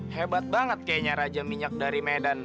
hebat banget kayaknya raja minyak dari medan